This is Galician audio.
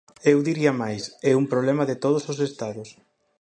Eu diría máis: é un problema de todos os estados.